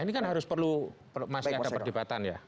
ini kan harus perlu masih ada perdebatan ya